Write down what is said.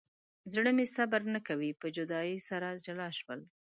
زړه مې صبر نه کوي په جدایۍ سره جلا شول.